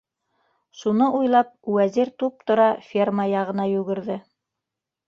Шуны уйлап, Вәзир туп-тура ферма яғына йүгерҙе.